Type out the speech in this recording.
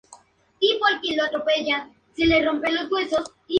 Sin embargo, el ahorro en costo de operación puede ser sustancial.